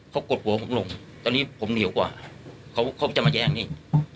เขากดหัวผมลงตอนนี้ผมเหนียวกว่าเขาจะมาแย่งนี่